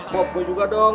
bob gue juga dong